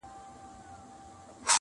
چلېدل یې په مرغانو کي امرونه-